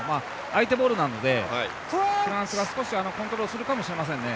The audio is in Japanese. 相手ボールなのでフランスが少しコントロールするかもしれません。